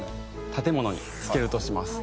建物に付けるとします。